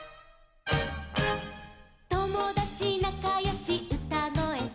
「ともだちなかよしうたごえと」